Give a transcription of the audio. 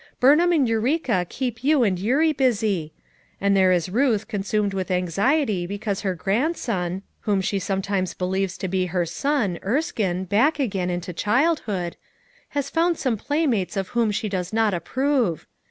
"Burnham and Eureka keep you and Eurie busy; and there is Ruth consumed with anxiety because her grandson — whom she some times believes to be her son, Erskine, back again into childhood — has found some play mates of whom she does not approve.